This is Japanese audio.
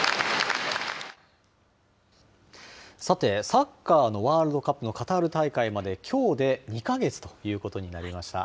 さて、サッカーのワールドカップのカタール大会まできょうで２か月ということになりました。